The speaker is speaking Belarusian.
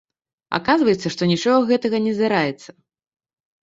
Аказваецца, што нічога гэтага не здараецца.